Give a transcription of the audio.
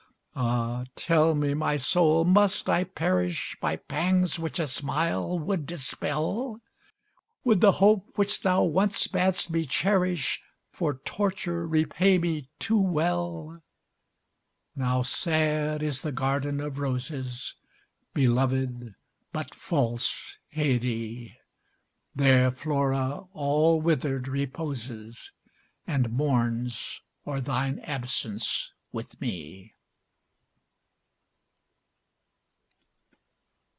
Ah, tell me, my soul, must I perish By pangs which a smile would dispel? Would the hope, which thou once bad'st me cherish, For torture repay me too well? Now sad is the garden of roses, Belovèd but false Haidée! There Flora all withered reposes, And mourns o'er thine absence with me.